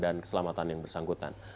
dan keselamatan yang bersangkutan